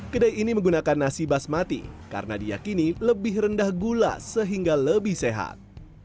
kedai ini menggunakan nasi basmati karena diakini lebih rendah gula sehingga lebih sehat